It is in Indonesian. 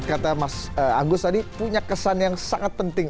kata mas agus tadi punya kesan yang sangat penting